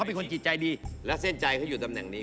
เป็นคนจิตใจดีและเส้นใจเขาอยู่ตำแหน่งนี้